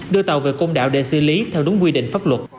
đưa tàu về công đảo để xử lý theo đúng quy định pháp luật